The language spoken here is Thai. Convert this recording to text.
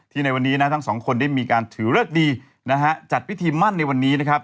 ในวันนี้นะทั้งสองคนได้มีการถือเลิกดีนะฮะจัดพิธีมั่นในวันนี้นะครับ